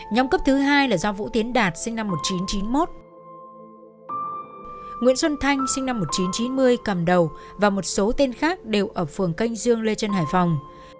nhóm cướp thứ hai là do vũ tiến đạt sinh năm một nghìn chín trăm chín mươi một cầm đầu và một số tên khác đều ở phường canh dương lê trân hải phòng